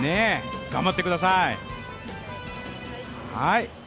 頑張ってください！